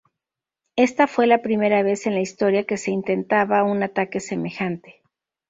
Esta fue la primera vez en la historia que se intentaba un ataque semejante.